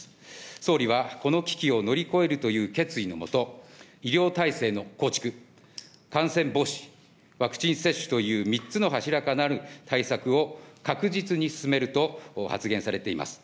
総理はこの危機を乗り越えるという決意のもと、医療体制の構築、感染防止、ワクチン接種という３つの柱からなる対策を確実に進めると発言されています。